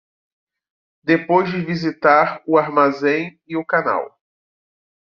Depois de visitar o armazém e o canal